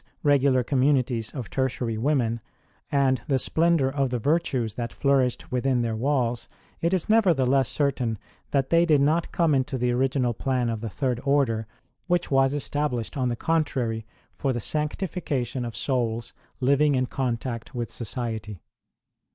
regular communities of Tertiary women), and the splendour of the virtues that flourished within their walls, it is nevertheless certain that they did not come into the original plan of the Third Order, which was established, on the contrary, for the sanctification of souls living in contact with society.